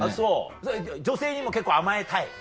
女性にも結構甘えたい？